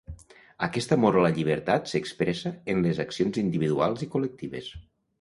Aquest amor a la llibertat s’expressa en les accions individuals i col·lectives.